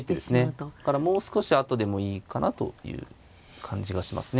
だからもう少し後でもいいかなという感じがしますね。